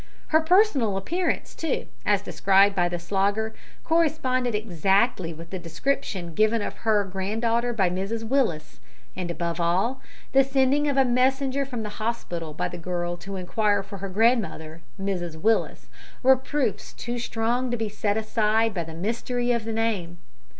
Her personal appearance, too, as described by the Slogger, corresponded exactly with the description given of her granddaughter by Mrs Willis; and, above all, the sending of a messenger from the hospital by the girl to inquire for her "grandmother, Mrs Willis," were proofs too strong to be set aside by the mystery of the name.